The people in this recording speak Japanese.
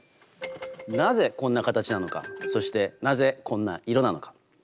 なぜこんな形なのかそしてなぜこんな色なのか。